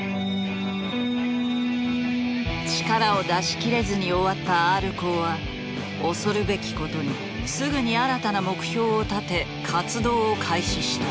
力を出しきれずに終わったＲコーは恐るべきことにすぐに新たな目標を立て活動を開始した。